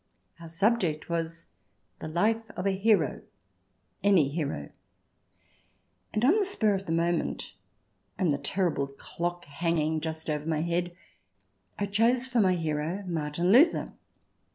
Our subject was the life of a hero — any hero. And on the spur of the moment, and the terrible clock hanging just over my head, I chose i6o THE DESIRABLE ALIEN [chjxi for my hero Martin Luther.